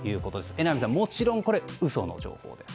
榎並さん、もちろん嘘の情報です。